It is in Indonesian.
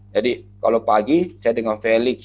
jadi kalau pagi saya dengan felix